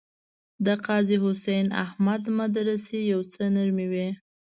د قاضي حسین احمد مدرسې یو څه نرمې وې.